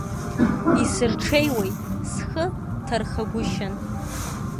Исырҽеиуеи схы ҭархагәышьан.